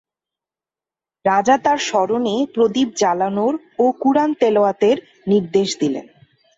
রাজা তাঁর স্মরণে প্রদীপ জ্বালানোর ও কুরআন তেলাওয়াত করার নির্দেশ দিলেন।